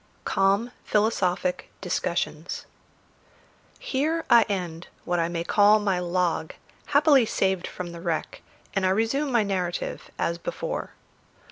CALM PHILOSOPHIC DISCUSSIONS Here I end what I may call my log, happily saved from the wreck, and I resume my narrative as before.